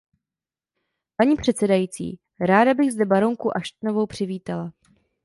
Paní předsedající, ráda bych zde baronku Ashtonovou přivítala.